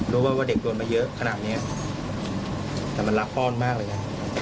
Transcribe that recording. ลูกยังปกป้องเราเลย